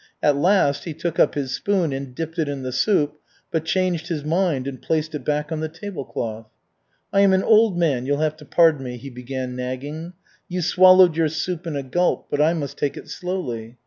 At last he took up his spoon and dipped it in the soup, but changed his mind, and placed it back on the tablecloth. "I am an old man, you'll have to pardon me," he began nagging, "you swallowed your soup in a gulp, but I must take it slowly.